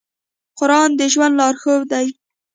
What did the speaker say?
قرآن د ژوند لارښود دی.